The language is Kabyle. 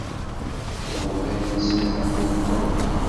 Imawlan-nsen ḥemmlen-kent.